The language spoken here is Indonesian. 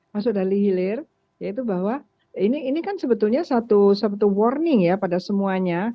masuk dari hilir yaitu bahwa ini kan sebetulnya satu warning ya pada semuanya